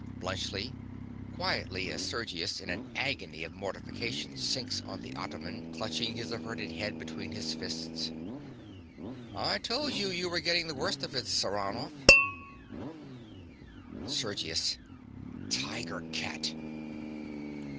_) BLUNTSCHLI. (quietly, as Sergius, in an agony of mortification, sinks on the ottoman, clutching his averted head between his fists). I told you you were getting the worst of it, Saranoff. SERGIUS. Tiger cat!